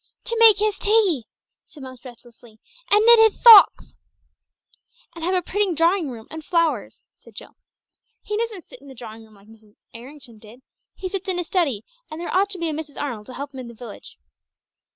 "To make his tea," said Bumps breathlessly, "and knit his thocks!" "And have a pretty drawing room and flowers," said Jill. "He doesn't sit in the drawing room like Mr. Errington did. He sits in his study, and there ought to be a Mrs. Arnold to help him in the village."